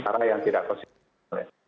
karena yang tidak konstitusi